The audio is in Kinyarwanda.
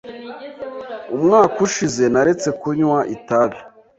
Umwaka ushize naretse kunywa itabi .